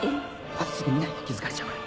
あっすぐ見ないで気付かれちゃうから。